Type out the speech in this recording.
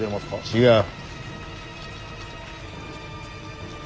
違う。